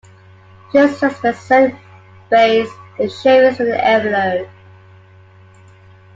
Schintzius then sent Bass the shavings in an envelope.